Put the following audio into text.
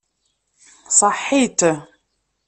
Saḥḥit!